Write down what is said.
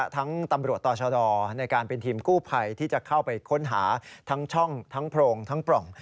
ตำรวจต่อชะดอในการเป็นทีมกู้ภัยที่จะเข้าไปค้นหาทั้งช่องทั้งโพรงทั้งปล่อง